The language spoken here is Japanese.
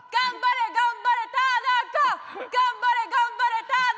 頑張れ頑張れ田中！